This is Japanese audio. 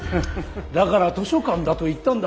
だから図書館だと言ったんだ。なあ？